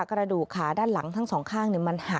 กระดูกขาด้านหลังทั้งสองข้าง